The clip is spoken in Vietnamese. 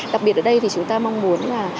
đặc biệt ở đây thì chúng ta mong muốn là